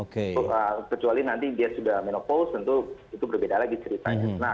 kecuali nanti dia sudah menopaus tentu itu berbeda lagi ceritanya